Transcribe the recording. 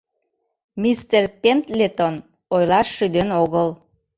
— Мистер Пендлетон ойлаш шӱден огыл.